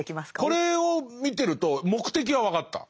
これを見てると目的は分かった。